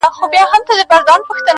دتوپان په دود خروښيږي -